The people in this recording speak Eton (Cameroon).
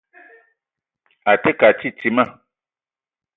A te ke a titima.